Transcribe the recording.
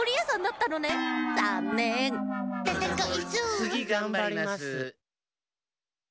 つぎがんばります。